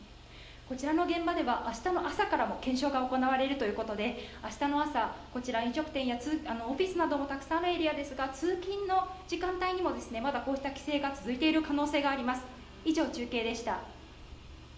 こちらの現場では明日の朝からも検証が行われるということで明日の朝、飲食店やオフィスもたくさんあるエリアですが通勤の時間帯にもまだこうした規制が続いている可能性があります。